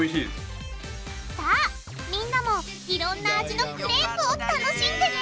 さあみんなもいろんな味のクレープを楽しんでね！